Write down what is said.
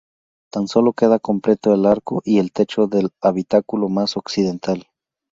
Tan solo queda completo el arco y el techo del habitáculo más occidental.